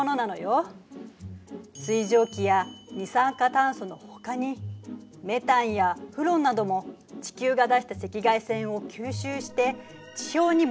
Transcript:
水蒸気や二酸化炭素のほかにメタンやフロンなども地球が出した赤外線を吸収して地表に戻す性質を持っているの。